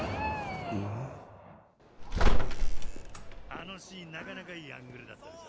あのシーンなかなかいいアングルだったでしょ。